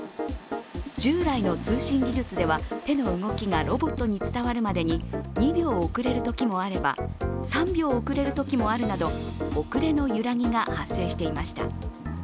従来の通信技術では手の動きがロボットに伝わるまでに２秒遅れるときもあれば３秒遅れるときもあるなど遅れの揺らぎが発生していました。